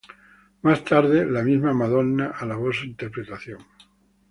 Más tarde, la misma Madonna alabó su interpretación.